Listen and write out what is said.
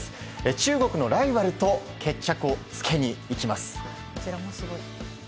中国のライバルと決着をつけにいきます。